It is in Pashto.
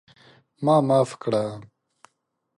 ما معاف کړه!